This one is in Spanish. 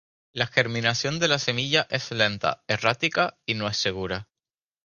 La germinación de la semilla es lenta, errática y no es segura.